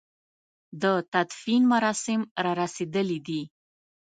د تدفين مراسم را رسېدلي دي.